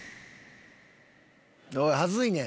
おい恥ずいねん。